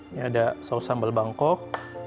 ini ada saus sambal bangkok